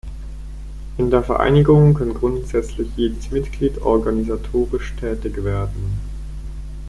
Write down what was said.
In der Vereinigung kann grundsätzlich jedes Mitglied organisatorisch tätig werden.